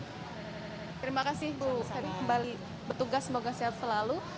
saya kembali bertugas semoga sehat selalu